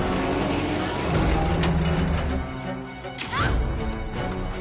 あっ！